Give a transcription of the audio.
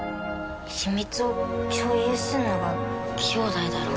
秘密を共有するのが兄弟だろ。